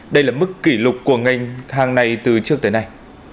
đây là mức kỷ lục của ngành hàng này từ trước tới nay